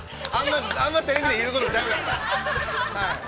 あんまりテレビで言うことちゃうから。